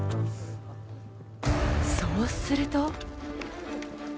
そうすると。